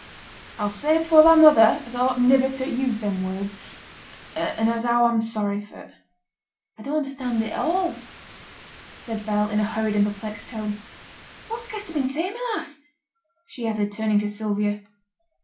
A'll say before thy mother as a ought niver to ha' used them words, and as how a'm sorry for 't.' 'I don't understand it all,' said Bell, in a hurried and perplexed tone. 'What has Kester been saying, my lass?' she added, turning to Sylvia.